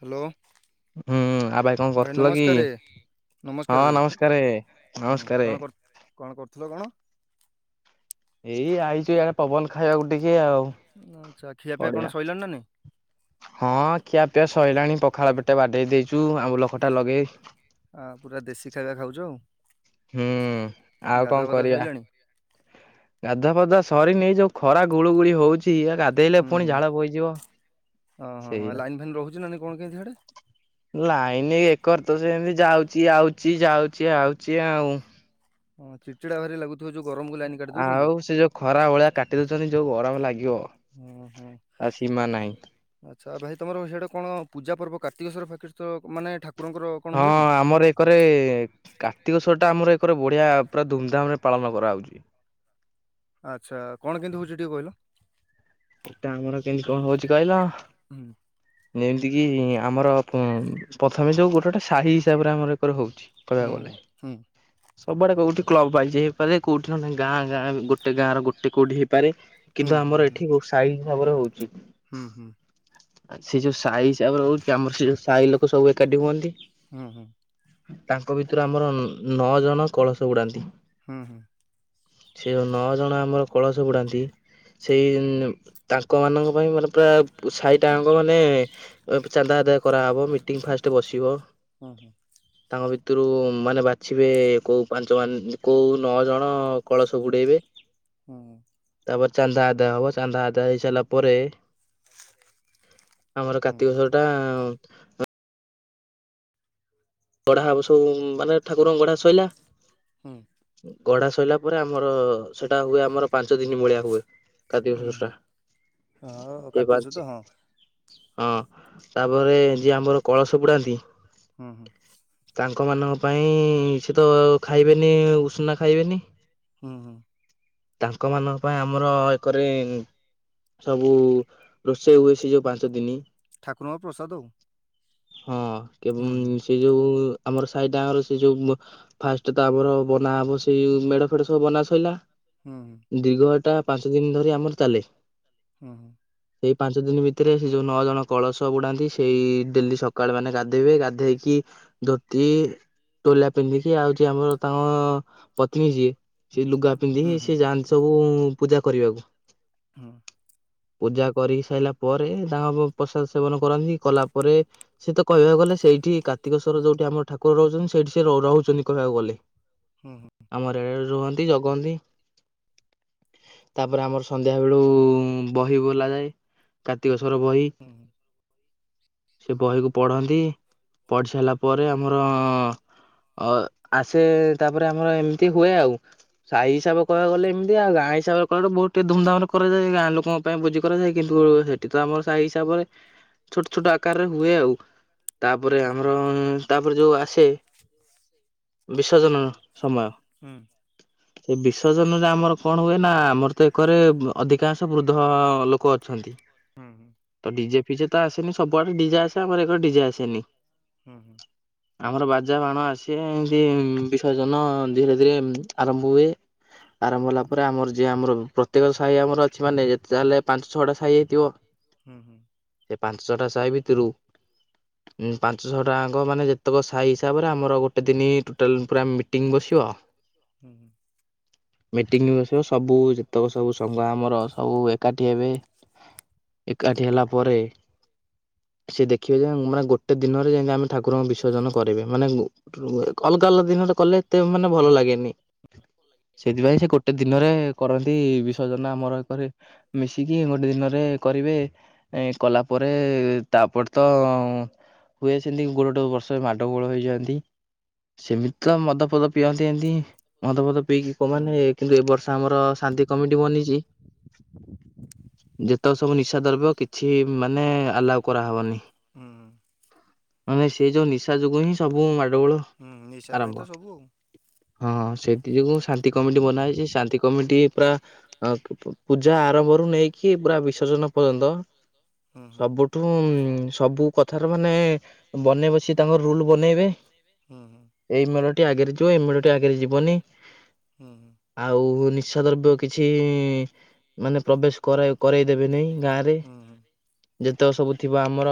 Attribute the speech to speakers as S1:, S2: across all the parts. S1: Hello!
S2: ହୁଁ ଆଉ କଣ
S1: ଭାଇ
S2: କରୁଥିଲ କି?
S1: ନମସ୍କାରେ।
S2: ହଁ
S1: ନମସ୍କାର ଭାଇ
S2: ନମସ୍କାରେ
S1: ହଁ,
S2: ନମସ୍କାରେ।
S1: କଣ କରୁ କଣ କରୁଥିଲ କଣ?
S2: ଏଇ ଆଇଛୁ ଇଆ
S1: ଆଚ୍ଛା ଖିଆ ପିଆ
S2: ବଢିଆ।
S1: କଣ ସଇଲାଣି ନା ନାଇ?
S2: ହଁ, ଖିଆ ପିଆ ସଇଲାଣି ପଖାଳ ପେଟେ ବାଡେଇ ଦେଇଛୁ ଆମ୍ୱୁଲ ଖଟା ଲଗେଇ।
S1: ଆ ପୁରା ଦେଶୀ ଖାଇବା ଖାଉଛ ଆଉ
S2: ହୁଁ। ଆଉ କଣ
S1: ଗାଧୁଆ ପାଧୁଆ
S2: କରିବା
S1: ସଇଲାଣି?
S2: ଗାଧୁଆ ପାଧୁଆ ସରିନି ଏଇ ଯୋଉ ଖରା ଗୁଳୁ ଗୁଳି ହଉଛି ଗାଧେଇଲେ ପୁଣି ଝାଳ ବୋହିଯିବ।
S1: ହଁ, ହଁ
S2: ସେଇଆ।
S1: ଲାଇନ୍ ଫାଇନ୍ ରହୁଛି ନା ନାହିଁ କଣ କେମତି ହିଆଡ଼େ?
S2: ଲାଇନ ଏକର ତ ସେମିତି ଯାଉଛି ଆଉଛି ଯାଉଛି ଆଉଛି ଆଉ
S1: ହଁ ଚିଡ଼ଚିଡା ଭାରି ଲାଗୁ ଥିବ ଯୋଉ ଗରମ
S2: ଆଉ ସେ ଯୋଉ ଖରା ବେଳିଆ କାଟି ଦଉଛନ୍ତି ଯୋଉ ଗରମ ଲାଗିବ।
S1: ହୁଁ ହୁଁ।
S2: ତା ସୀମା ନାହିଁ।
S1: ଆଚ୍ଛା ଭାଇ ତମର ସିଆଡେ କଣ ପୂଜା ପର୍ବ କାର୍ତ୍ତିକେସ୍ୱର ଫାର୍ତ୍ତିକେ ସ୍ୱର ମାନେ ଠାକୁରଙ୍କର କଣ
S2: ହଁ
S1: ହୁଏ କି
S2: ଆମର ଏ କରେ କାର୍ତ୍ତିକେ ସ୍ୱର ଟା ଆମର ଏକରେ ବଢ଼ିଆ ପୁରା ଧୁମ୍ ଧାମ୍ ରେ ପାଳନ କରାହେଉଛି।
S1: ଆଚ୍ଛା କଣ କେମିତି ହଉଛି ଟିକେ କହିଲ?
S2: ଟା ଆମର କେମତି କଣ ହଉଛି କହିଲ
S1: ହୁଁ
S2: ଯେମିତି କିି ଆମର ପ ଥମେ ଯୋଉ ଗୋଟେ ଗୋଟେ ସାହି ହିସାବରେ ଆମର ଏକରେ ହଉଛି କହିବାକୁ ଗଲେ।
S1: ହୁଁ ହୁଁ
S2: ସବୁଆଡ଼େ କଉଠି କ୍ଲବ ବାଇଜି ହେଇପାରେ କଉଠି ନହେନେ ଗାଁ ଗାଁ ଗୋଟେ ଗାଁ ର ଗୋଟେ କୋଉଠି ହେଇ ପାରେ
S1: ହୁଁ
S2: କିନ୍ତୁ
S1: ହୁଁ
S2: ଆମର ଏଠି ସାହି ହିସାବରେ ହଉଛି।
S1: ହୁଁ
S2: ଆ ସେ ଯୋଉ ସାହି ହିସାବ ହଉଛି ଆମର ସେ ସାଇ ଲୋକ ସବୁ ଏକାଠି ହୁଅନ୍ତି।
S1: ହୁଁ ହୁଁ ହୁଁ
S2: ତାଙ୍କ ଭିତରୁ ଆମର ନଅ ଜଣ କଳସ ବୁଡ଼ାନ୍ତି।
S1: ହୁଁ ହୁଁ
S2: ସେ ନଅ ଜଣ ଆମର କଳସ ବୁଡ଼ାନ୍ତି ସେ [unintelligible] ତାଙ୍କ ମାନଙ୍କ ପାଇଁ ମାନେ ପୁରା ସାହି ଟାଙ୍କ ମାନେ ଚାନ୍ଦା ଆଦାୟ କରାହେବ ମିଟିଂ ଫାଷ୍ଟ ବସିବ
S1: ହୁଁ ହୁଁ।
S2: ତାଙ୍କ ଭିତୁରୁ ମାନେ ବାଛିବେ କୋଉ ପାଞ୍ଚ ମାନ କୋଉ ନଅ ଜଣ କଳସ ବୁଡ଼େଇବେ। [inaudible]
S1: ହୁଁ
S2: ତାପରେ ଚାନ୍ଦା ଆଦାୟ ହବ ଚାନ୍ଦା ଆଦାୟ ହେଇସାରିଲା ପରେ ଆମର କାର୍ତ୍ତିକସର ଟା ଗଢ଼ା ହବ ସବୁ ମାନେ ଠାକୁରଙ୍କ ଗଢ଼ା ଶଇଲା।
S1: ହୁଁ
S2: ଗଢା ସୋଇଲା ପରେ ଆମର ସେଟା ହୁଏ ଆମର ପାଞ୍ଚ ଦିନ ମଳିଆ ହୁଏ
S1: ହୁଁ
S2: [unintelligible]
S1: ହୁଁ ହଁ ହଉ
S2: ସେଇ
S1: କାଟି
S2: ପାଞ୍ଚ
S1: ଅଛୁ ତ ହଁ।
S2: ହଁ ତାପରେ ଯିଏ ଆମର କଳସ ବୁଡ଼ାନ୍ତି
S1: ହୁଁ ହୁଁ।
S2: ତାଙ୍କ ମାନଙ୍କ ପାଇଁ ସେ ତ ଖାଇବେନି ଉଶ୍ନା ଖାଇବେନି
S1: ହୁଁ ହୁଁ।
S2: ତାଙ୍କ ମାନଙ୍କ ପାଇଁ ଆମର ଏକରେ ସବୁ ରୋଷେଇ ହୁଏ ସେ ଯୋଉ ପାଞ୍ଚ ଦିନ
S1: ଠାକୁରଙ୍କ ପ୍ରସାଦ ଆଉ
S2: ହଁ କେ
S1: ହୁଁ
S2: ସେ ଯୋଉ ଆମର ସାହି ଡାଁର ସେ ଯୋଉ ଫାଷ୍ଟ ତ ଆମର ବନା ହବ ସେଇ ମେଢ ଫେଡ ସବୁ ବନା ସଇଲା
S1: ହୁଁ ହୁଁ।
S2: ଦୀର୍ଘ ଟା ପାଞ୍ଚ ଦିନ ଧରି ଆମର ଚାଲେ
S1: ହୁଁ ହୁଁ।
S2: ସେଇ ପାଞ୍ଚ ଦିନ ଭିତରେ ସେ ଯୋଉ ନଅ ଜଣ କଳସ ବୁଡାନ୍ତି ସେଇ ଡେଲି ସକାଳେ ମାନେ ଗାଧେଇବେ ଗାଧେଇକି ଧୋତି ଟୋଲା ପିନ୍ଧିକି ଆଉଛି ଆମର ତାଙ୍କ ପତ୍ନୀ ଯିଏ ସେଇ ଲୁଗା
S1: ହୁଁ ହୁଁ
S2: ପିନ୍ଧିକି ସେ
S1: ହୁଁ
S2: ଯାଆନ୍ତି ସବୁ ପୂଜା କରିବାକୁ
S1: ହଁ।
S2: ପୂଜା କରି ସାରିଲା ପରେ ତାଙ୍କ ପ୍ରସାଦ ସେବନ କରନ୍ତି କଲା ପରେ ସେ ତ କହିବାକୁ ଗଲେ ସେଇଠି କତିକ ସ୍ୱର ଯୋଉଠି ଆମର ଠାକୁର ରହୁଛନ୍ତି ସେଇଠି ସେ ରହୁଛନ୍ତି କହିବାକୁ ଗଲେ
S1: ହୁଁ ହୁଁ
S2: ଆମ ରେଡରେ ରୁହନ୍ତି ଜଗନ୍ତି ତାପରେ ଆମର ସନ୍ଧ୍ୟାବେଳୁ ବହି ବୋଲାଯାଏ। କାର୍ତ୍ତିକ ସର ବହି
S1: ହୁଁ ହୁଁ
S2: ସେ ବହିକୁ ପଢନ୍ତି। ପଢ଼ି ସାରିଲା ପରେ ଆମର ଅ ଆସେ ତାପରେ ଆମର ଏମିତି ହୁଏ ଆଉ ସାହି ହିସାବ କହିବା ଗଲେ ଏମତି ଆ ଗାଁ ହିସାବ କ ବହୁତ ଟିକେ ଧୁମଧାମ ରେ କରାଯାଏ ଗାଁ ଲୋକଙ୍କ ପାଇଁ ବୋଜି କରାଯାଏ କିନ୍ତୁ ସେଠି ତ ଆମର ସାହି ହିସାବରେ ଛୋଟ ଛୋଟ ଆକାରରେ ହୁଏ ଆଉ ତାପରେ ଆମର ତାପରେ ଯୋଉ ଆସେ ବିସର୍ଜନ ସମୟ
S1: ହୁଁ।
S2: [inaudible] ସେ ବିସର୍ଜନରେ ଆମର କଣ ହୁଏ ନା ଆମର ତ ଏକରେ ଅଧିକାଂଶ ବୃଦ୍ଧ ଲୋକ ଅଛନ୍ତି
S1: ହୁଁ
S2: ତ ଡିଜେ ଫିଜେ ତ ଆସେନି ସବୁଆଡେ ଡିଜେ ଆସେ ଆମର ଏକର ଡିଜେ ଆସେନି,
S1: ହୁଁ ହୁଁ।
S2: ଆମର ବାଜା ବାଣ ଆସେ ଏମିତି ବିସର୍ଜନ ଧୀରେ ଧୀରେ ଆରମ୍ଭ ହୁଏ।
S1: ହୁଁ
S2: ଆରମ୍ଭ ହେଲା
S1: ହୁଁ।
S2: ପରେ ଆମର ଯିଏ ଆମର ପ୍ରତ୍ୟେକ ସାହି ଆମର ଅଛି ମାନେ ଯେତେ ତାହେଲେ ପାଞ୍ଚ ଛଅଟା ସାହି ହେଇଥିବ,
S1: ହୁଁ ହୁଁ।
S2: ସେ ପାଞ୍ଚଟା ସାହି ଭିତରୁ ପାଞ୍ଚଶହ ଟଙ୍କାଙ୍କ ମାନେ ଯେତକ ସାହି ହିସାବରେ ଆମର ଗୋଟେ ଦିନି ଟୋଟାଲ୍ ପୁରା ମି ଟିଂ ବସିବ
S1: ହୁଁ।
S2: ମିଟିଂ ବସିବ ସବୁ ଯେତେକ ସବୁ ସଂଘ ଆମର। ସବୁ ଏକାଠି ହେବେ ଏକାଠି ହେଲା ପରେ ସେ ଦେଖିବା ଯେ ମାନେ ଗୋଟେ ଗୋଟେ ଦିନରେ ଯେମତି ଆମେ ଠାକୁରଙ୍କୁ ବିସର୍ଜନ କରିବେ ମାନେ ଅଲଗା ଅଲଗା ଦିନରେ କଲେ ତେ ମାନେ ଭଲ ଲାଗେନି ସେଥିପାଇଁ ସେ ଗୋଟେ ଦିନରେ କରନ୍ତି ବିସର୍ଜନ ଆମର ଏକରେ ମିଶିକି ଗୋଟେ ଦିନରେ କରିବେ ଏ କଲା ପରେ ତାପରେ ତ ହୁଏ ସେମିତି ଗୋଟଟୋ ବର୍ଷ ମାଡ଼ ଗୋଳ ହୋଇଯାଆନ୍ତି ସେମିତି ତ ମଦଫଦ ପିଅନ୍ତି ଏମିତି ମଦଫଦ ପିଇକି କୋଉ ମାନେ କିନ୍ତୁ ଏ ବର୍ଷ ଆମର ଶାନ୍ତି କମିଟି ବନିଛି। ଯେତେକ ସବୁ ନିଶା ଦ୍ରବ୍ୟ କିଛି ମାନେ ଆଲାଓ କରାହବନି।
S1: ହୁଁ।
S2: ମାନେ ସେ ଯୋଉ ନିଶା ଯୋଗୁ ହିଁ ସବୁ ମାଡଗୋଳ
S1: ହୁଁ ନିଶା ପାଇଁ ତ
S2: ଆରମ୍ଭ।
S1: ସବୁ ଆଉ
S2: ହଁ ହଁ ସେଥି ଯୋଗୁ ଶାନ୍ତି କମିଟି ବନାହେଇଛି ଶାନ୍ତି କମିଟି ପୁରା ଆଁ ପୂଜା ଆରମ୍ଭରୁ ନେଇକି ପୁରା ବିସର୍ଜନ ପର୍ଯ୍ୟନ୍ତ ସବୁ ହୁଁ ସବୁ କଥାର ମାନେ ବନେଇ ବସି ତାଙ୍କ ରୁଲ ବନେଇବେ
S1: ହୁଁ।
S2: ଏଇ ମେଳଟି ଆଗରେ ଯିବ ଏଇ ମେଢ଼ ଟି ଆଗରେ ଯିବନି।
S1: ହୁଁ ହୁଁ। ହୁଁ
S2: ଆଉ ନିଶା ଦ୍ରବ୍ୟ କିଛି ମାନେ ପ୍ରବେଶ କର କରାଇ କରେଇଦେବେନି ଗାଁରେ। ଯେତେକ ସବୁ ଥିବ ଆମର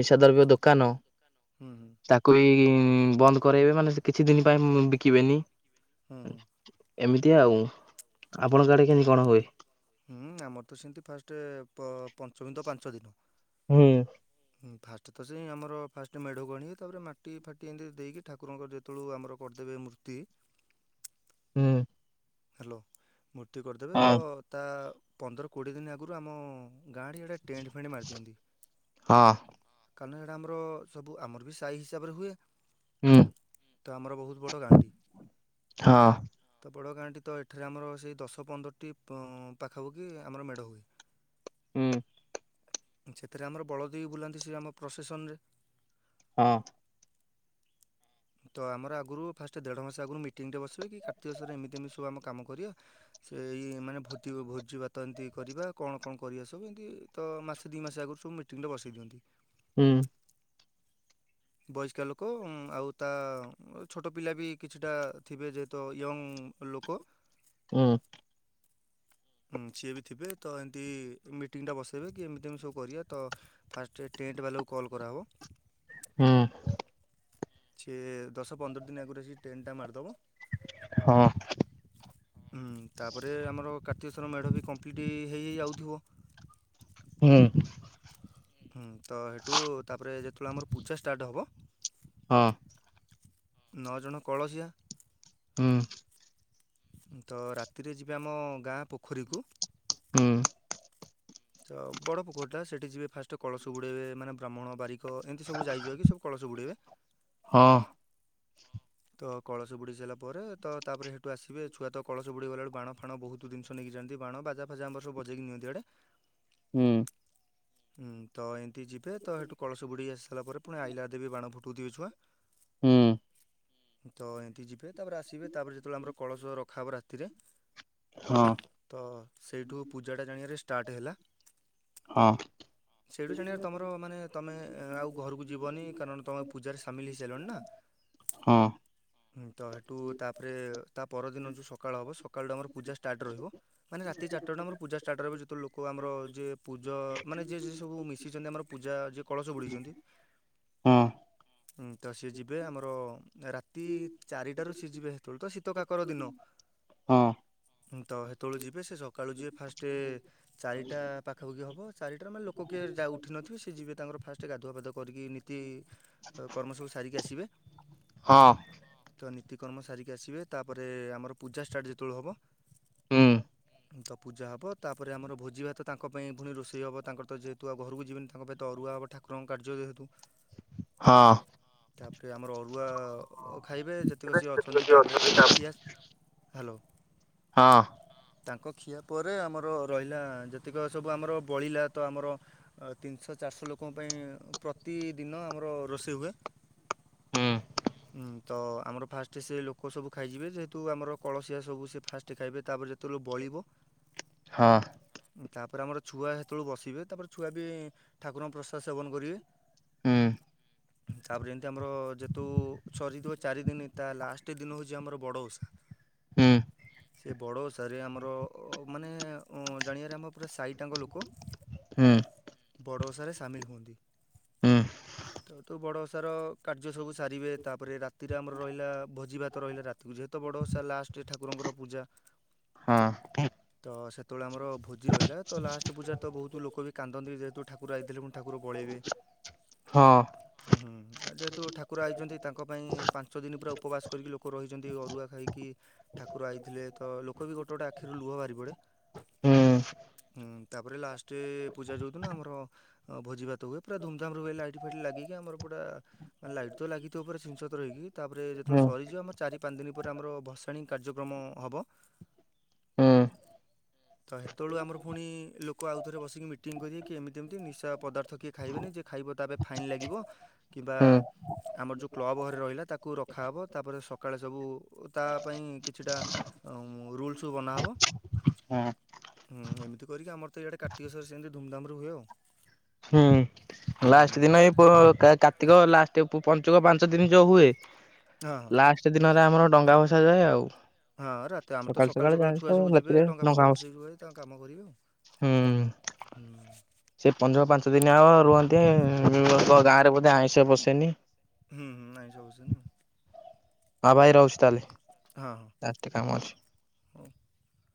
S2: ନିଶା ଦ୍ରବ୍ୟ ଦୋକାନ।
S1: ହୁଁ ହୁଁ ହୁଁ
S2: ତାକୁ କହି ବନ୍ଦ କରାଇବେ ମାନେ କିଛି ଦିନ ପାଇଁ ବିକିବେନି।
S1: ହୁଁ ହୁଁ।
S2: ଏମିତି ଆଉ। ଆପଣଙ୍କ ଆଡ଼େ କେମିତି କଣ ହୁଏ?
S1: ହୁଁ ଆମର ତ ସେମିତି ଫାଷ୍ଟ ପ ପଞ୍ଚମୀ ତ ପାଞ୍ଚ ଦିନ।
S2: ହୁଁ।
S1: ହୁଁ ଫାଷ୍ଟ ତ ସେଇ ଆମର ଫାଷ୍ଟ ମେଢ଼କୁ ଆଣିବେ ତାପରେ ମାଟି ଫାଟି ଏମିତି ଦେଇକି ଠାକୁରଙ୍କର ଯେତ ଜେଉ ଆମର କରିଦେବେ ମୂର୍ତ୍ତି।
S2: ହୁଁ
S1: ହ୍ୟାଲୋ, ମୂର୍ତ୍ତି କରିଦେବେ ତ
S2: ହଁ।
S1: ତା ପନ୍ଦର କୋଡ଼ିଏ ଦିନ ଆଗରୁ ଆମ ଗାଁରେ ଆରେ। ଟେଣ୍ଡ ଫେଟ ମାରି ଦିଅନ୍ତି।
S2: ହଁ।
S1: କାରଣ ସେଇଟା ଆମର ସବୁ ଆମର ବି ସାହି ହିସାବରେ ହୁଏ।
S2: ହୁଁ
S1: ତ ଆମର ବହୁତ ବଡ଼ ଗାଁଟି
S2: ହଁ।
S1: ତ ବଡ଼ ଗାଁଟି। ତ ଏଠାରେ ଆମର ସେଇ ଦଶ ପନ୍ଦରଟି ପ ପାଖାପାଖି ଆମର ମେଢ଼ ହୁଏ।
S2: ହୁଁ।
S1: ସେଥିରେ ଆମର ବଳଦେବୀ ବୁଲାନ୍ତି ସେ ଆମ ପ୍ରସେସନରେ।
S2: ହଁ।
S1: ତ ଆମର ଆଗରୁ ଫାଷ୍ଟ ଦେଢ ମାସ ଆଗରୁ ମିଟିଂରେ ବସିବି କି କାର୍ତିକ ସ୍ୱର ଏମିତି ମି ସବୁ ଆମ କାମ କରିବା। ସେ ଏଇ ମାନେ ଭୋତି ଭୋଜି ଭାତ ଏମିତି କରିବା କଣ କଣ କରିବା ସବୁ ଏମିତି। ତ ମାସେ ଦିଇ ମାସେ ଆଗରୁ ସବୁ ମିଟିଂଟ ବସେଇ ଦିଅନ୍ତି।
S2: ହୁଁ।
S1: ବୟସ୍କା ଲୋକ ଆଉ ତା ଛୋଟ ପିଲା ବି କିଛିଟା ଥିବେ ଯେହେତୁ ୟଙ୍ଗ ଲୋକ।
S2: ହୁଁ।
S1: ହୁଁ ସିଏ ବି ଥିବେ ତ ଏମିତି ମିଟିଂଟା ବସାଇବେ କି ଏମିତି ଏମତି ସବୁ କରିବା। ତ ଫାଷ୍ଟ ଟେଣ୍ଟ୍ ବାଲାକୁ କଲ୍ କରାହବ।
S2: ହୁଁ।
S1: ଛିଃ ଏ ଦଶ ପନ୍ଦର ଦିନ ଆଗରୁ ଆସି ଟେଣ୍ଟ ଟା ମାରିଦେବ।
S2: ହଁ।
S1: ହୁଁ ତାପରେ ଆମର କାର୍ତ୍ତିେଶ୍ୱର ମେଢ଼ ବି କମ୍ପ୍ଲିଟ୍ ହେଇ ହେ ଯାଉଥିବ।
S2: ହୁଁ।
S1: ହୁଁ ତ ହେଠୁ ତାପରେ ଯେତେବେଳେ ଆମର ପୂଛା ଷ୍ଟାର୍ଟ ହେବ।
S2: ହଁ।
S1: ନଅ ଜଣ କଳସିଆ।
S2: ହୁଁ।
S1: ତ ରାତିରେ ଯିବେ ଆମ ଗାଁ ପୋଖରୀକୁ।
S2: ହୁଁ।
S1: ତ ବଡ ପୋଖରିଟା ସେଠି ଯିବେ ଫାଷ୍ଟ କଳସ ବୁଡେଇବେ ମାନେ ବ୍ରାହ୍ମଣ, ବାରି କ ଏମିତି ସବୁ ଯାଇଜୁଆ କି ସବୁ କଳସ ବୁଡ଼ାଇବେ।
S2: ହଁ।
S1: ତ କଳସ ବୁଡି ସାରିଲା ପରେ ତ ତାପରେ ହେ ଠୁ ଆସିବେ ଛୁଆ ତ କଳସ ବୁଡ଼ିଗଲାବେଳୁ ବାଣ ଫଣ ବହୁତ ଜିନିଷ ନେଇକି ଯାନ୍ତି ବାଣ ବାଜା ଫାଜା ଆମର ସବୁ ବଜେଇକି ନିଅନ୍ତିଆଡ଼େ।
S2: ହୁଁ।
S1: ହଁ ତ ଏମିତି ଯିବେ ତ ସେଠୁ କଳସ ବୁଡେଇ ଆସି ସାରିବା ପରେ ପୁଣି ଆଇଲା ବେଳେ ବାଣ ଫୁଟାଉଥିବେ ଛୁଆ।
S2: ହୁଁ।
S1: ତ ଏମିତି ଯିବେ ତାପରେ ଆସିବେ ତାପରେ ଯେତେବେଳେ ଆମର କଳସ ରଖାହେବ ରାତିରେ
S2: ହଁ।
S1: ତ ସେଇଠୁ ପୂଜାଟା ଜାଣିବାରେ ଯେ ଷ୍ଟାର୍ଟ ହେଲା।
S2: ହଁ।
S1: ସେଇଠୁ ଜାଣିବା ତମର ମାନେ ତମେ ଆଉ ଘରକୁ ଯିବନି କାରଣ ତୁମେ ପୂଜାରେ ସାମିଲ ହୋଇଇସାରିଲଣି ନା।
S2: ହଁ।
S1: ହଁ ତ ସେଠୁ ତାପରେ ତା ପରଦିନ ଯେଉଁ ସକାଳ ହେବ ସକାଳଠୁ ଆମର ପୂଜା ଷ୍ଟାର୍ଟ ରହିବ। ମାନେ ରାତି ଚାରଟାରୁ ଆମ ପୂଜା ଷ୍ଟାର୍ଟ ରହିବ ଯେତେ ଲୋକ କେଉ ଆମର ଯିଏ ପୂଜ ମାନେ ଯିଏ ଯିଏ ସବୁ ମିଶିଛନ୍ତି ଆମର ପୂଜା ଯିଏ କଳସ ବୁଡ଼େଛନ୍ତି।
S2: ହଁ।
S1: ହଁ ତ ସିଏ ଯିବେ ଆମର ରାତି ଚାରିଟାରୁ ସିଏ ଯିବେ ସେତେବେଳେ ତ ତ କାକର ଦିନ
S2: ହଁ
S1: ତ ସେତେବେଳଳେ ଯିବେ ସେ ସକାଳୁ ଯିବେ ଫାଷ୍ଟ ରେ ଚାରିଟା ପାଖାପାଖି ହବ, ଚାରିଟା ମାନେ ଲୋକ କିଏ ଯେ ଉଠିନଥିବେ, ସେ ଯିବେ ତାଙ୍କର ଫାଷ୍ଟ ଗାଧୁଆ ପାଧୁଆ କରିକି କର୍ମ ସବୁ ସାରିକି ଆସିବେ।
S2: ହଁ।
S1: ତ ନୀତି କର୍ମ ସାରିକି ଆସିବେ ତାପରେ ଆମର ପୂଜା ଷ୍ଟାର୍ଟ ଯେତେବେଳେ ହବ
S2: ହୁଁ।
S1: ତ ପୂଜା ହେବ ତାପରେ ଆମର ଭୋଜି ଭାତ ତାଙ୍କ ପାଇଁ ପୁଣି ରୋଷେଇ ହେବ ତାଙ୍କର ତ ଯେହେତୁ ଆଉ ଘରକୁ ଯିବେନି ତାଙ୍କ ପାଇଁ ତ ଅରୁଆ ହେବ। ଠାକୁରଙ୍କ କାର୍ଯ୍ୟ ଯେହେତୁ।
S2: ହଁ।
S1: ତାପରେ ଆମର ଅରୁଆ ଖାଇବେ ଯେତିକ ସିଏ ଅଛନ୍ତି ତାପରେ ତାଙ୍କ ସ୍ ହ୍ୟାଲୋ।
S2: ହଁ।
S1: ତାଙ୍କ ଖିଆ ପରେ ଆମର ରହିଲା ଯେତିକି ସବୁ ଆମର ବଳିଲା ତ ଆମର ତିନିଶହ ଚାରିଶହ ଲୋକଙ୍କ ପାଇଁ ପ୍ରତିଦିନ ଆମର ରୋଷେଇ ହୁଏ।
S2: ହୁଁ
S1: ହୁଁ ତ ଆମର ଫାଷ୍ଟ ସେ ଲୋକ ସବୁ ଖାଇଯିବେ ଯେହେତୁ ଆମର କଳସିଆ ସବୁ ସେ ଫାଷ୍ଟ ଖାଇବେ ତାପରେ ଯେତେବେଳେ ବଳିବ
S2: ହଁ।
S1: ତାପରେ ଆମର ଛୁଆ ସେତେବେଳେ ବସିବେ ତାପରେ ଛୁଆ ବି ଠାକୁରଙ୍କ ପ୍ରସାଦ ସେବନ କରିବେ।
S2: ହୁଁ
S1: ତାପରେ ଏମତି ଆମର ଯେ ତ ସରିଥିବା ଚାରି ଦିନ, ତା ଲାଷ୍ଟ ଦିନ ହେଉଛି ଆମର ବଡ଼ ଓଷା।
S2: ହୁଁ
S1: ସେ ବଡ଼ ଓଷାରେ ଆମର, ମାନେ ଜାଣିବାରେ, ଆମ ପୁରା ସାହି ଟାଙ୍କ ଲୋକ
S2: ହୁଁ।
S1: ବଡ଼ ଓସାରେ ସାମିଲ ହୁଅନ୍ତି। ତ ତ ବଡ଼ ଓଷାର କାର୍ଯ୍ୟ ସବୁ ସାରିବେ ତାପରେ ରାତିରେ ଆମର ରହିଲା ଭୋଜିଭାତ ରହିଲା ରାତିକୁ ଯେହେତୁ ବଡ ଓଷା ଲାଷ୍ଟ ଠାକୁରଙ୍କର ପୂଜା।
S2: ହଁ ଠିକ।
S1: ତ ସେତେବେଳେ ଆମର ଭୋଜି ରହିଲା ତ ଲାଷ୍ଟ୍ ପୂଜା ତ ବହୁତ ଲୋକ ବି କାନ୍ଦନ୍ତି ଯେହେତୁ ଠାକୁର ଆଇଥିଲେ ପୁଣି ଠାକୁର ପଳେଇବେ
S2: ହଁ।
S1: ହୁଁ ଆଉ ଯେହେତୁ ଠାକୁର ଆଇଛନ୍ତି ତାଙ୍କ ପାଇଁ ପାଞ୍ଚ ଦିନି ପୁରା ଉପବାସ କରିକି ଲୋକ୍ ଲୋକ ରହିଚନ୍ତି ଅରୁଆ ଖାଇକି ଠାକୁର ଆଇଥିଲେ ତ ଲୋକ ବି ଗୋଟେ ଗୋଟେ ଆଖିରୁ ଲୁହ ବାହାରି ପଡ଼େ। ହୁଁ ତାପରେ ଲାଷ୍ଟେ ପୂଜା ଯଉଦିନ ଆମର ଭୋଜିଭାତ ହୁଏ ପୁରା ଧୁମଧାମ୍ ର ହୁଏ ଲାଇଟି ଫାଇଟି ଲାଗିକି ଆମର ପୁରା ମାନେ ଲାଇଟ୍ ତ ଲାଗିଥିବ ପୁରା ଛିନ୍ ଛତର ହେଇକି। ତାପରେ
S2: ହୁଁ
S1: ଯେତେବେଳେ
S2: ହୁଁ
S1: ସରିଯିବ ଆମର ଚାରି ପାଞ୍ଚ ଦିନି ପରେ ଆମର ଭସାଣି କାର୍ଯ୍ୟକ୍ରମ ହବ।
S2: ହୁଁ।
S1: ତ ହେତବେଳୁ ଆମର ପୁଣି ଲୋକ ଆଉଥରେ ବସିକି ମିଟିଂ କରିବେ କି ଏମିତି ଏମିତି ନିଶା ପଦାର୍ଥ କିଏ ଖାଇବେନି ଯେ ଖାଇବ ତାପରେ ଫାଇନ୍ ଲାଗିବ କିମ୍ବା
S2: ହୁଁ
S1: ଆମର ଯୋଉ କ୍ଲବ ଘରେ ରହିଲା ତାକୁ ରଖାହବ ତାପରେ ସ ସକାଳେ ସବୁ ତା ପାଇଁ କିଛିଟା ରୁଲ୍ସ୍ ବନା ହବ
S2: ହଁ
S1: ହଁ ଏମିତି କରିକି ଆମର ତ ଇଆଡେ କାର୍ତ୍ତିକ ସର ସେମିତି ଧୁମ୍ ଧାମ୍ ରେ ହୁଏ ଆଉ।
S2: ହୁଁ
S1: ହୁଁ
S2: ଲାଷ୍ଟ୍ ଦିନ ଏଇ ପୁର କାର୍ତ୍ତିକ ଲାଷ୍ଟ୍ ଏତେ ପଞ୍ଚୁକ ପାଞ୍ଚ ଦିନ ଯୋଉ ହୁଏ
S1: ହଁ ହଁ।
S2: ଲାଷ୍ଟ୍ ଦିନରେ ଆମର ଡଙ୍ଗା ଭସା ଯାଏ ଆଉ।
S1: ହଁ ରାତି ଆମର ତ ସକାଳୁ ସକାଳୁ ଛୁଆ
S2: ଜାଣିଛ
S1: ସବୁ ଯିବେ
S2: ରାତିରେ
S1: ଡଙ୍ଗା
S2: ନଙ୍କା
S1: ଫଙ୍ଗା
S2: ହୁଁ।
S1: ଭସେଇ ଭୁସା କି ତାଙ୍କ କାମ କରିବେ ଆଉ। ହୁଁ।
S2: ସେ ପନ୍ଦର -ପାଞ୍ଚ ଦିନ ଆଉ ରୁହନ୍ତି ଗାଁ ରେ ବୋଧେ ଆଇଁଷ ପସେନି
S1: ହୁଁ -ହୁଁ ଆଇଁଷ ପସେନି ଆଉ
S2: ଆଉ ଭାଇ ରହୁଚି ତାହେଲେ।
S1: ହଁ- ହଁ।
S2: ରଟେ କାମ ଅଛି।
S1: ହଉ।